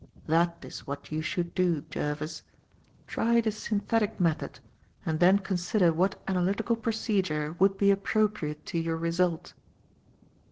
That is what you should do, Jervis. Try the synthetic method and then consider what analytical procedure would be appropriate to your result."